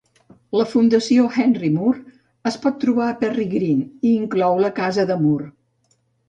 La Fundació Henry Moore es pot trobar a Perry Green, i inclou la casa de Moore.